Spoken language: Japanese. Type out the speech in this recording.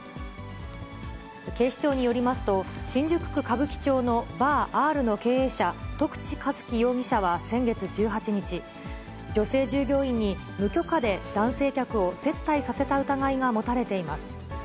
警視庁によりますと、新宿区歌舞伎町のＢａｒＲの経営者、得地一輝容疑者は先月１８日、女性従業員に無許可で男性客を接待させた疑いが持たれています。